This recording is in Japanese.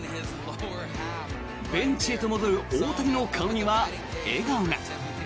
ベンチへ戻る大谷の顔には笑顔が。